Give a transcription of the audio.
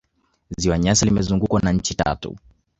ziwa nyasa limezungukwa na nchi tatu